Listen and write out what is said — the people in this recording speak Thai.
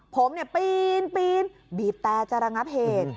ผมเนี่ยปีนปีนบีบแต่จารังเผก